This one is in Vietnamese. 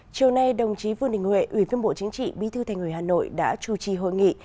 chiều nay đồng chí vương đình huệ ủy viên bộ chính trị bí thư thành ủy hà nội đã chủ trì hội nghị